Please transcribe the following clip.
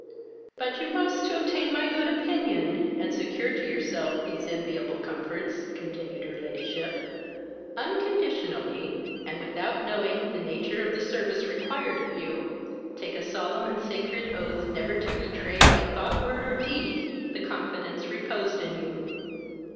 But you must, to obtain my good opinion, and secure to yourself those enviable comforts, (continued her ladyship,) unconditionally and without knowing the nature of the service required of you, take a solemn and sacred oath never to betray, by thought, word or deed, the confidence reposed in you.